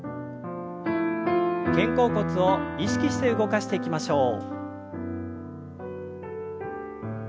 肩甲骨を意識して動かしていきましょう。